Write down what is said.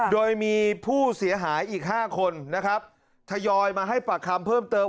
โดยมีผู้เสียหายอีก๕คนนะครับทยอยมาให้ปากคำเพิ่มเติม